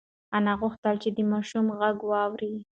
انا غوښتل چې د ماشوم غږ واوري.